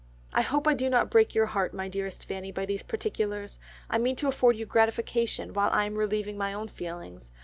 "I hope I do not break your heart, my dearest Fanny, by these particulars, I mean to afford you gratification while I am relieving my own feelings.